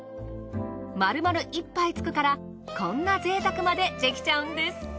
丸々１杯つくからこんな贅沢までできちゃうんです。